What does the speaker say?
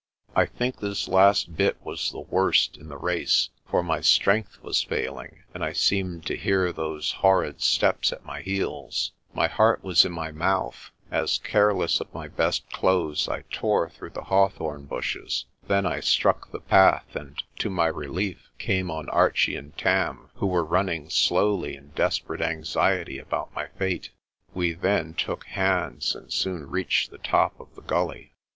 I think this last bit was the worst in the race, for my strength was failing, and I seemed to hear those horrid steps at my heels. My heart was in my mouth as, careless of MAN ON KIRKCAPLE SHORE 23 my best clothes, I tore through the hawthorn bushes. Then I struck the path and, to my relief, came on Archie and Tarn, who were running slowly in desperate anxiety about my fate. We then took hands and soon reached the top of the gully.